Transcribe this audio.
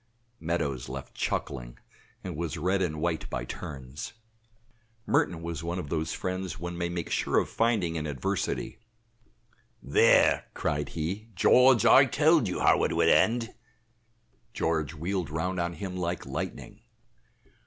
Meadows left chuckling and was red and white by turns. Merton was one of those friends one may make sure of finding in adversity. "There," cried he, "George, I told you how it would end." George wheeled round on him like lightning.